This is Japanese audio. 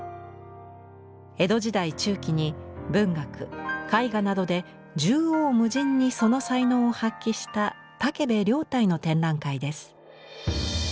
江戸時代中期に文学絵画などで縦横無尽にその才能を発揮した建部凌岱の展覧会です。